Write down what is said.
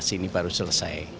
ini baru selesai